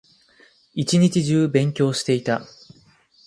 一日中勉強していた